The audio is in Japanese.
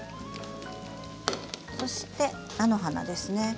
そして菜の花ですね。